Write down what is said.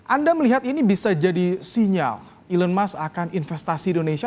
anda melihat ini bisa jadi sinyal elon musk akan investasi di indonesia